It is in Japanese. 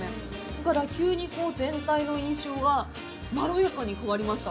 だから、急に全体の印象がまろやかに変わりました。